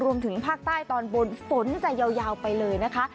รวมถึงภาคใต้ตอนบนฝนจะยาวไปเลยนะคะ